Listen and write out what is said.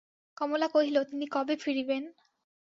কমলা কহিল, তিনি কবে ফিরিবেন?